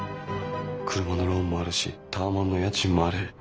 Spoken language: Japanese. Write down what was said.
車のローンもあるしタワマンの家賃もある。